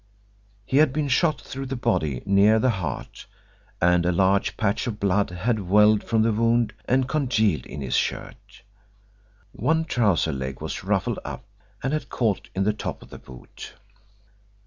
He had been shot through the body near the heart, and a large patch of blood had welled from the wound and congealed in his shirt. One trouser leg was ruffled up, and had caught in the top of the boot.